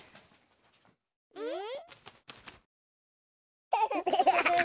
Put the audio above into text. うん？